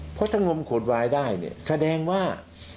เพราะถ้างมขวดวายได้เนี่ยแสดงว่า